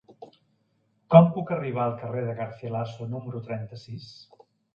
Com puc arribar al carrer de Garcilaso número trenta-sis?